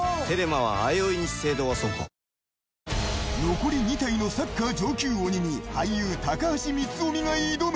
残り２体のサッカー上級鬼に俳優の高橋光臣が挑む。